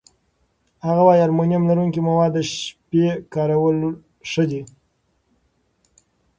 هغه وايي المونیم لرونکي مواد د شپې کارول ښه دي.